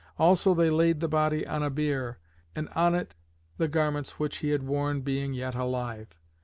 Also they laid the body on a bier, and on it the garments which he had worn being yet alive.